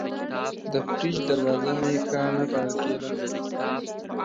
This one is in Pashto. د فریج دروازه مې ښه نه تړل کېده.